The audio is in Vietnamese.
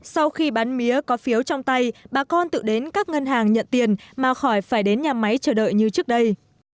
sau khi bán mía có phiếu trong tay bà con tự đến các ngân hàng nhận tiền mà khỏi phải đến nhà máy chờ đợi như trước đây